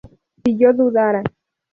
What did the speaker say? si yo dudara